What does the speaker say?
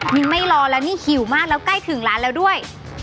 นี่ไม่รอแล้วนี่หิวมากแล้วใกล้ถึงร้านแล้วด้วย